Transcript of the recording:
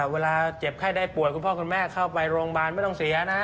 เวลาเจ็บไข้ได้ป่วยคุณพ่อคุณแม่เข้าไปโรงพยาบาลไม่ต้องเสียนะ